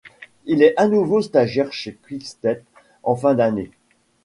Il est à nouveau stagiaire chez Quick Step en fin d'année.